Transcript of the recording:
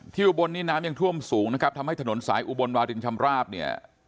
อุบลนี้น้ำยังท่วมสูงนะครับทำให้ถนนสายอุบลวารินชำราบเนี่ย